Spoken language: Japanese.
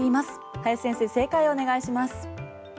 林先生、正解をお願いします。